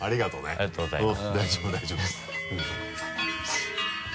ありがとうございます。